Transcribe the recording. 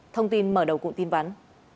thông tin mở đầu cụ tin vắn